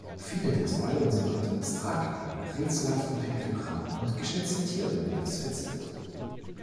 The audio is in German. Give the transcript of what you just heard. Viele der Säulen sind mit abstrakten, rätselhaften Piktogrammen und geschnitzten Tierreliefs verziert.